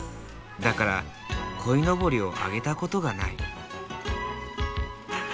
だから鯉のぼりを揚げたことがない。